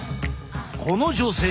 この女性